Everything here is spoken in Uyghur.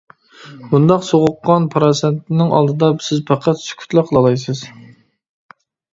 بۇنداق سوغۇققان پاراسەتنىڭ ئالدىدا، سىز پەقەت سۈكۈتلا قىلالايسىز.